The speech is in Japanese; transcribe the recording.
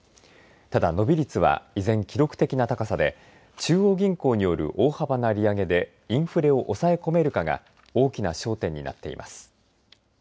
ただ伸び率は依然記録的な高さで中央銀行による大幅な利上げでインフレを抑え込めるかが大きな焦点になっています。